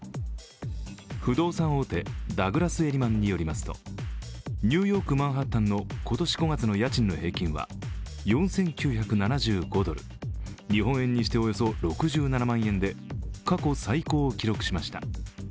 不動産大手ダグラスエリマンによりますとニューヨーク・マンハッタンの今年５月の家賃の平均は４９７５ドル、日本円にしておよそ６７万円で過去最高を記録しました。